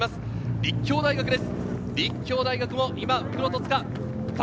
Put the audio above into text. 立教大学です。